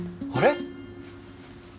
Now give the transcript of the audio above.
あれ？